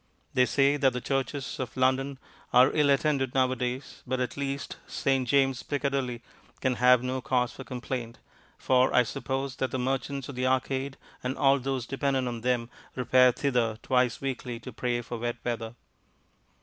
They say that the churches of London are ill attended nowadays, but at least St. James, Piccadilly, can have no cause for complaint, for I suppose that the merchants of the Arcade, and all those dependent on them, repair thither twice weekly to pray for wet weather.